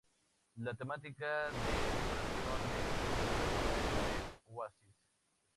La temática de decoración del aeropuerto es de oasis.